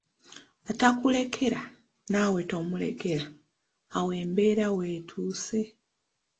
Atakulekera naawe tomulekera, awo embeera weetuuse.